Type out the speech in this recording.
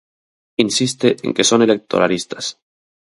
Insiste en que son electoralistas.